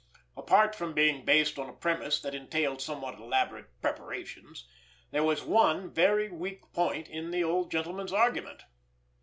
Apart from being based on a premise that entailed somewhat elaborate preparations, there was one very weak point in the old gentleman's argument.